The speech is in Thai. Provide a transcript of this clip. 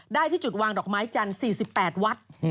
ได้ที่จุดวางดอกไม้จันทร์๔๘วัด